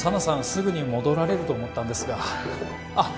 すぐに戻られると思ったんですがあっ